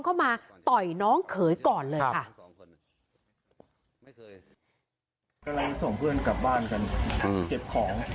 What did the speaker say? ก็ส่งเพื่อนอีกฝั่งหนึ่ง